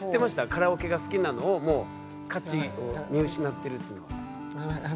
カラオケが好きなのをもう価値を見失ってるっていうのは？